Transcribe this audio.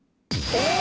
えっ。